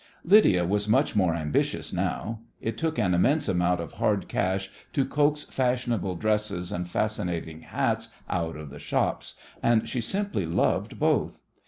Lydia was much more ambitious now. It took an immense amount of hard cash to coax fashionable dresses and fascinating hats out of the shops, and she simply loved both.